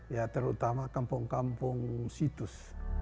ya terutama kampung kampung situs